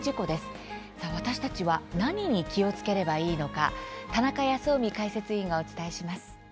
私たちは何に気をつければいいのか田中泰臣解説委員がお伝えします。